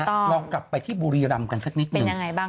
เรากลับไปที่บุรีรำกันสักนิดหนึ่ง